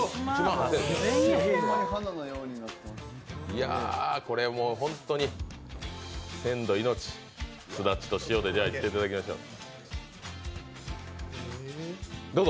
いや、これもうホントに鮮度命、すだちと塩でいっていただきましょう。